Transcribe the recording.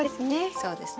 そうですね。